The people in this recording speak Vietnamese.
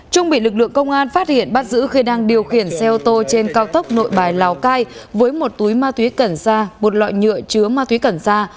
trung bị lực lượng công an phát hiện bắt giữ khi đang điều khiển xe ô tô trên cao tốc nội bài lào cai với một túi ma túy cần xa một loại nhựa chứa ma túy cần xa